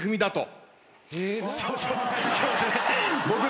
そうそう。